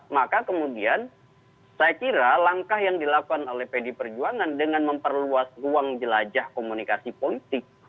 maka kemudian saya kira langkah yang dilakukan oleh pd perjuangan dengan memperluas ruang jelajah komunikasi politik